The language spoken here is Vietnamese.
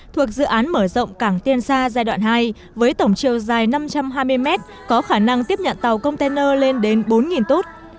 thuộc dự án mở rộng cảng tiên sa giai đoạn hai với tổng chiều dài năm trăm hai mươi mét có khả năng tiếp nhận tàu container lên đến bốn tút